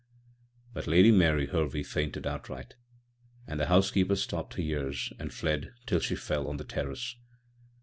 But Lady Mary Hervey fainted outright; and the housekeeper stopped her ears and fled till she fell on the terrace.